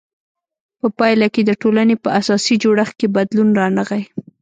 په پایله کې د ټولنې په اساسي جوړښت کې بدلون رانغی.